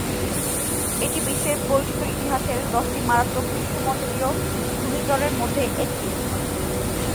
এটি বিশ্বের পরিচিত ইতিহাসের দশটি মারাত্মক গ্রীষ্মমন্ডলীয় ঘূর্ণিঝড়ের মধ্যে একটি।